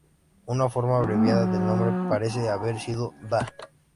Una forma abreviada del nombre parece haber sido Da.